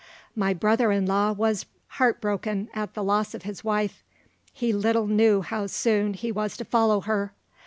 My brother in law was heart broken at the loss of his wife. He little knew how soon he was to follow her!